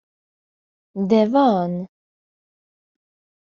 De van!